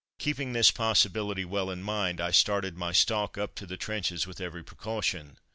Keeping this possibility well in mind, I started my stalk up to the trenches with every precaution.